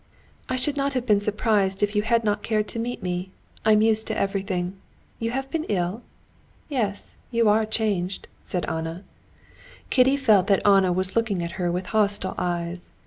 "I should not have been surprised if you had not cared to meet me. I'm used to everything. You have been ill? Yes, you are changed," said Anna. Kitty felt that Anna was looking at her with hostile eyes.